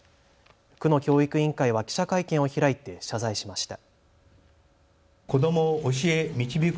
区の教育委員会は記者会見を開いて謝罪しました。